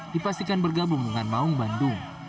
dipastikan bergabung dengan maung bandung